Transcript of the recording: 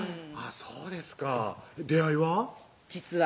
そうですか出会いは？